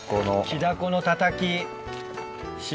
キダコのたたき。